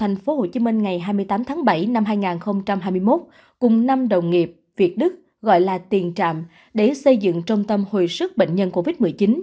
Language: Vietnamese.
tp hcm ngày hai mươi tám tháng bảy năm hai nghìn hai mươi một cùng năm đồng nghiệp việt đức gọi là tiền trạm để xây dựng trung tâm hồi sức bệnh nhân covid một mươi chín